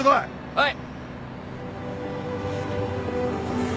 はい。